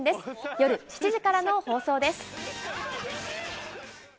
夜７時からの放送です。